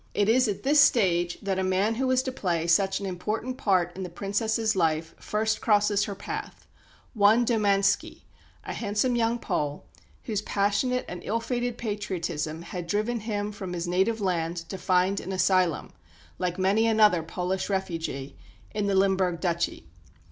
It is at this stage that a man who was to play such an important part in the Princess's life first crosses her path one Domanski, a handsome young Pole, whose passionate and ill fated patriotism had driven him from his native land to find an asylum, like many another Polish refugee, in the Limburg duchy.